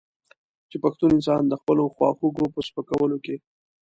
چې پښتون انسان د خپلو خواخوږو په سپکولو کې.